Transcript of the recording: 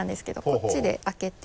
こっちで開けて。